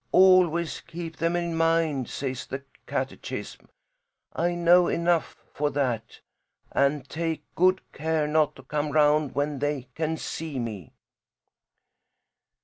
'Always keep them in mind,' says the catechism. I know enough for that and take good care not to come round when they can see me."